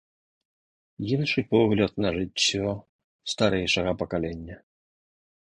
Іншы погляд на жыццё старэйшага пакалення.